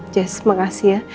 jess makasih ya